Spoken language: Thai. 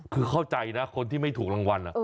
คือเข้าใจนะคนที่ไม่ถูกรางวัล